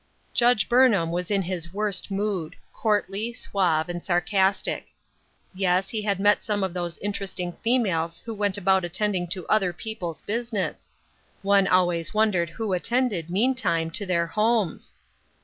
Judge Burnham was in his worst mood — courtly, suave and sarcastic. Yes, he had met some of those interesting females who went about attending to other people's business ; one always wondered who attended, meantime, to their homes.